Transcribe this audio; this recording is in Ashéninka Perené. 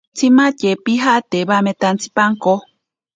Tsimatye pijate bametantsipanko.